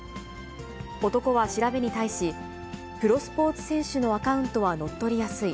男は調べに対し、プロスポーツ選手のアカウントは乗っ取りやすい。